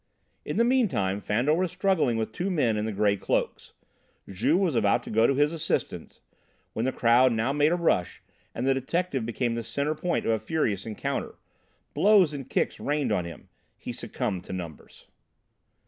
In the meantime Fandor was struggling with the two men in the grey masks. Juve was about to go to his assistance, when the crowd now made a rush and the detective became the central point of a furious encounter: blows and kicks rained on him. He succumbed to numbers.